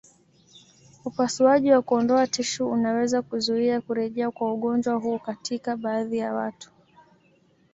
Upasuaji wa kuondoa tishu unaweza kuzuia kurejea kwa ugonjwa huu katika baadhi ya watu.